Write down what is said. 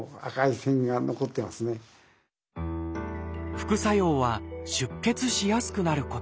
副作用は出血しやすくなること。